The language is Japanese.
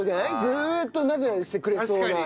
ずっとなでなでしてくれそうな。